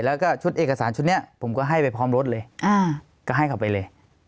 แล้วก็ชุดเอกสารชุดนี้ผมก็ให้ไปพร้อมรถเลยก็ให้เขาไปเลย